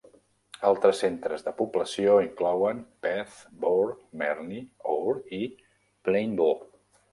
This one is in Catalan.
Altres centres de població inclouen: Beth, Bour, Merny, Our i Plainevaux.